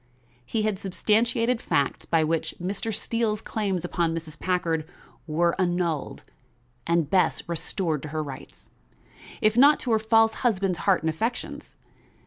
He had substantiated facts by which Mr. Steele's claims upon Mrs. Packard were annulled and Bess restored to her rights, if not to her false husband's heart and affections.